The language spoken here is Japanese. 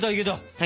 はい。